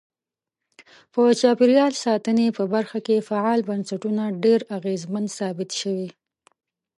په چاپیریال ساتنې په برخه کې فعال بنسټونه ډیر اغیزمن ثابت شوي.